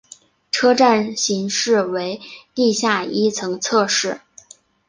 车站型式为地下一层侧式。